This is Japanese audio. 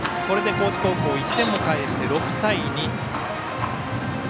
これで高知高校、１点を返して６対２。